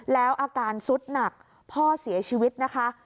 แล้วอาการสุดหนักพ่อเสียชีวิตนะคะ